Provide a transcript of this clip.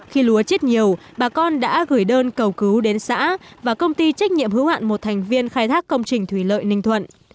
khi lúa chết nhiều bà con đã gửi đơn cầu cứu đến xã và công ty trách nhiệm hữu hạn một thành viên khai thác công trình thủy lợi ninh thuận